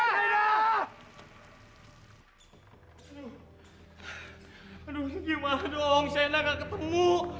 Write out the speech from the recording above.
aduh gimana dong sena gak ketemu